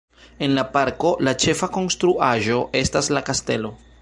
En la parko la ĉefa konstruaĵo estas la kastelo.